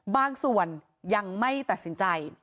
บางส่วนยังไม่ตัดสินใจ